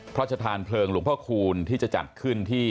พระชธานเพลิงหลวงพ่อคูณที่จะจัดขึ้นที่